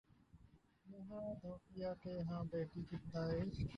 نیہا دھوپیا کے ہاں بیٹی کی پیدائش